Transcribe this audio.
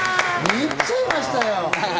聴き入っちゃいましたよ。